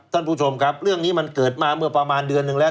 ท่านผู้ชมครับเรื่องนี้มันเกิดมาเมื่อประมาณเดือนหนึ่งแล้ว